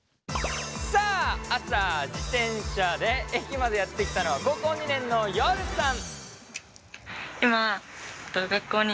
さあ朝自転車で駅までやって来たのは高校２年のヨルさん。